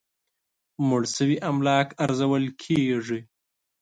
مړ شوي املاک ارزول کېږي.